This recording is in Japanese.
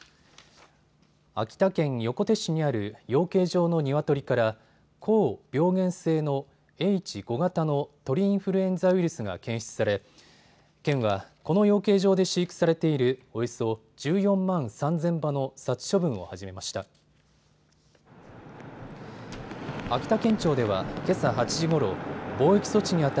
秋田県横手市にある養鶏場のニワトリから高病原性のＨ５型の鳥インフルエンザウイルスが検出され県はこの養鶏場で飼育されているおよそ１４万３０００羽の殺処分を始めました。